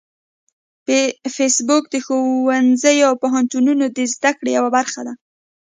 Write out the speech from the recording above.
فېسبوک د ښوونځیو او پوهنتونونو د زده کړې یوه برخه ده